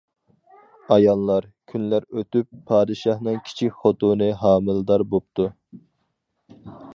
ئايلار، كۈنلەر ئۆتۈپ، پادىشاھنىڭ كىچىك خوتۇنى ھامىلىدار بوپتۇ.